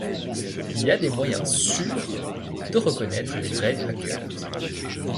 Il y a des moyens sûrs de reconnaître les vrais hackers.